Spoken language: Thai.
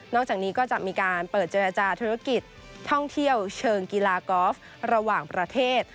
จากนี้ก็จะมีการเปิดเจรจาธุรกิจท่องเที่ยวเชิงกีฬากอล์ฟระหว่างประเทศ